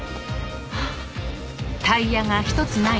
あっ！